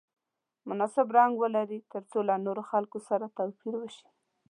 مناسب رنګ ولري ترڅو له نورو خلکو سره توپیر وشي.